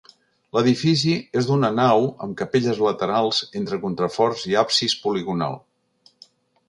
L'edifici és d'una nau amb capelles laterals entre contraforts i absis poligonal.